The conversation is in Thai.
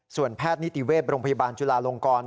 ส่วนแพทย์นิติเวศโรงพยาบาลจุลาลงกร